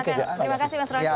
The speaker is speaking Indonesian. terima kasih mas roy